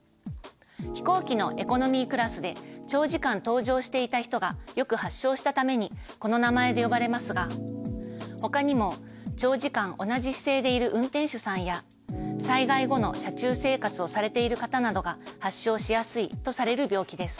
飛行機のエコノミークラスで長時間搭乗していた人がよく発症したためにこの名前で呼ばれますがほかにも長時間同じ姿勢でいる運転手さんや災害後の車中生活をされている方などが発症しやすいとされる病気です。